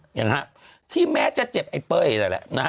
เห็นไหมครับที่แม้จะเจ็บไอ้เป้ยแล้วแหละ